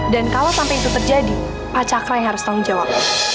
dan kalau sampai itu terjadi pak cakra yang harus tanggung jawab